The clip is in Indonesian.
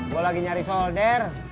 gua lagi nyari solder